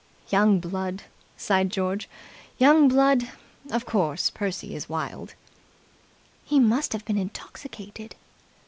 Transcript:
"Young blood!" sighed George. "Young blood! Of course, Percy is wild." "He must have been intoxicated."